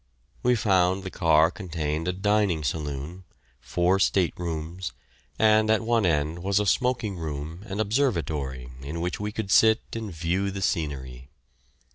We found the car contained a dining saloon, four state rooms, and at one end was a smoking room and observatory in which we could sit and view the scenery.